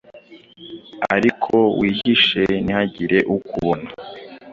Ariko wihishe, ntihagire ukubona."